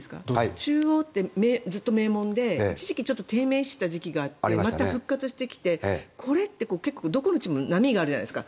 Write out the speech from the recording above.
中大ってずっと名門で一時期低迷していた時期があってまた復活してきてこれって、どこのチームも波があるじゃないですか。